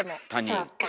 そうか。